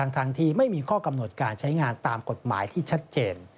ทั้งที่ไม่มีข้อกำหนดการใช้งานตามกฎหมายที่ชัดเจน